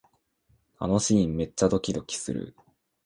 あのシーン、めっちゃドキドキする